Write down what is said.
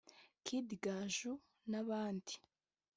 Kid Gaju n’abandi…